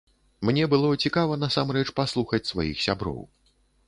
Мне было цікава насамрэч паслухаць сваіх сяброў.